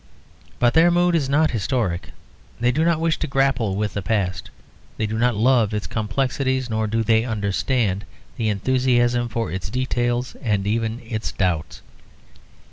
But their mood is not historic, they do not wish to grapple with the past; they do not love its complexities; nor do they understand the enthusiasm for its details and even its doubts.